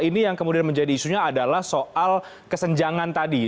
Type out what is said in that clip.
ini yang kemudian menjadi isunya adalah soal kesenjangan tadi